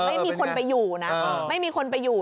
ไม่มีคนไปอยู่นะไม่มีคนไปอยู่